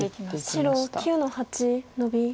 白９の八ノビ。